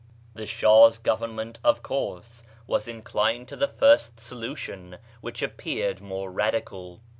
The Shah's government, of course, was in clined to the first solution, which appeared more radical.